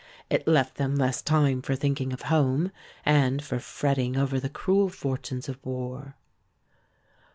It left them less time for thinking of home and for fretting over the cruel fortunes of war.